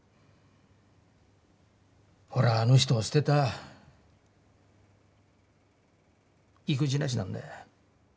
俺はあの人を捨てた意気地なしなんだよ。